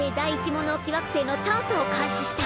モノオキ惑星の探査を開始した！